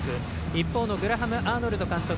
一方のグラハム・アーノルド監督